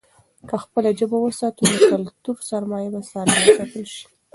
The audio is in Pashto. که خپله ژبه وساتو، نو کلتوري سرمايه به سالمه وساتل شي.